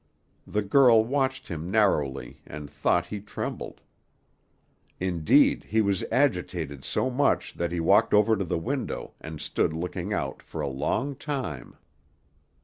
The girl watched him narrowly, and thought he trembled; indeed he was agitated so much that he walked over to the window, and stood looking out for a long time.